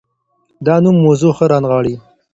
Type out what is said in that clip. دا نوم موضوع ښه رانغاړي.